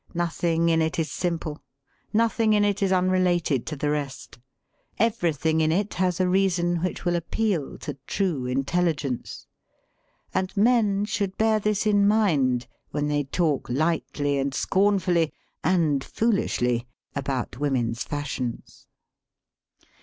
Nothing in it is simple ; nothing in it is unrelated to the rest. Everything in it has a reason which will appeal to true intelligence. And men should bear this in mind when they talk lightly and scornfully (and foolishly) about women's fash ions.